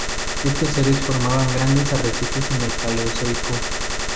Estos seres formaban grandes arrecifes en el Paleozoico.